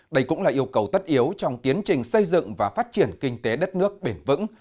đây cũng là yêu cầu tất yếu trong tiến trình xây dựng và phát triển kinh tế đất nước bền vững